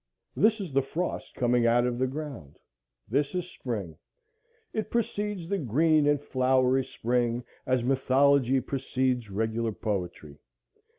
This is the frost coming out of the ground; this is Spring. It precedes the green and flowery spring, as mythology precedes regular poetry.